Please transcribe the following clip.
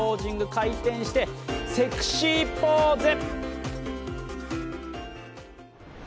回転して、セクシーポーズ！